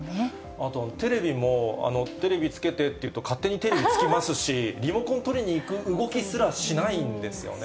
あとテレビも、テレビつけてっていうと勝手にテレビつきますし、リモコン取りに行く動きすらしないんですよね。